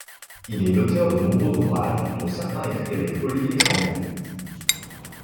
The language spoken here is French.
Il est l'auteur de nombreux ouvrages, dont certains écrits avec Olivier Chambon.